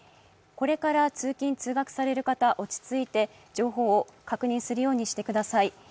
これから通勤・通学される方、落ち着いて情報を確認するようにしてください。